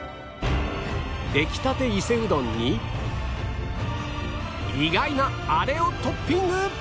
出来たて伊勢うどんに意外なあれをトッピング！